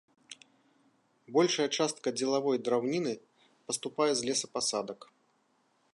Большая частка дзелавой драўніны паступае з лесапасадак.